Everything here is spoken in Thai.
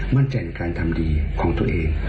มั่นใจในการทำดีของตัวเอง